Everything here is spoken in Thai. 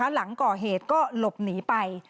หลังก่อเหตุก็หลบหนีไป